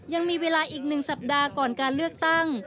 ยังมีเวลาอีก๑สัปดาห์ก่อนการเลือกตั้ง